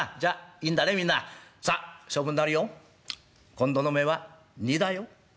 今度の目は二だよ。